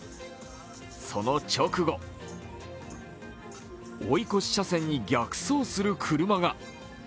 その直後、追い越し車線に逆走する車が。